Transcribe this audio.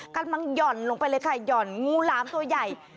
หย่อนลงไปเลยค่ะหย่อนงูหลามตัวใหญ่